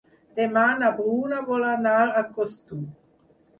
Demà na Bruna vol anar a Costur.